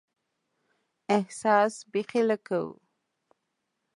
احساس بیخي لږ کوو.